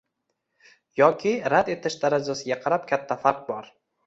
yoki rad etish darajasiga qarab katta farq bor: